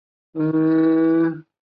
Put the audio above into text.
我现在站在宿舍前面